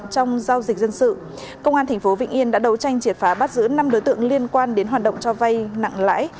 công an tp vĩnh yên đã đấu tranh triệt phá bắt giữ năm đối tượng liên quan đến hoạt động cho vay nặng lãi